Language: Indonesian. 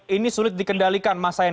ini sulit dikendalikan masa yang